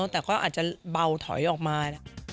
แต่ก็อาจจะเบาถอยออกมา